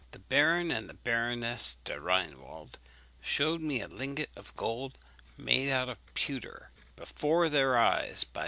"The Baron and Baroness de Rheinwald shewed me a lingot of gold made out of pewter before their eyes by M.